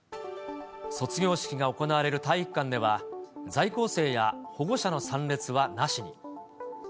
卒業式が行われる体育館では、在校生や保護者の参列はなしに。